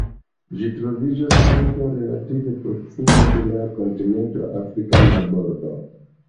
Ĝi troviĝas ankaŭ relative proksime de la kontinenta afrika marbordo.